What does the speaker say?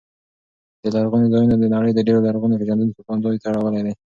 دې لرغونو ځایونو د نړۍ د ډېرو لرغون پېژندونکو پام ځان ته اړولی دی.